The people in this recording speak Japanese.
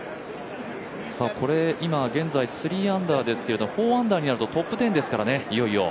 現在、３アンダーですけれども、４アンダーになるとトップ１０ですからね、いよいよ。